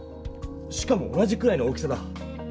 しかも同じくらいの大きさだ。